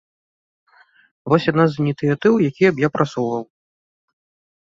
Вось адна з ініцыятыў, якія б я прасоўваў.